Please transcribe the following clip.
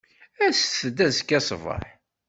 Aset-d azekka ṣṣbeḥ.